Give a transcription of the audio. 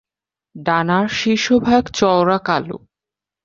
ডানার শীর্ষভাগ চওড়া কালো।